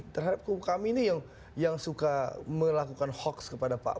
terhadap kami ini yang suka melakukan hoax kepada pak